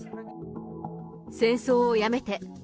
戦争をやめて。